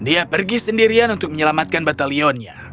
dia pergi sendirian untuk menyelamatkan batalionnya